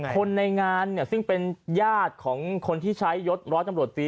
คนในงานเนี่ยซึ่งเป็นญาติของคนที่ใช้ยศร้อยตำรวจตี